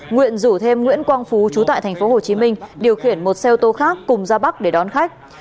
nguyễn rủ thêm nguyễn quang phú trú tại tp hcm điều khiển một xe ô tô khác cùng ra bắc để đón khách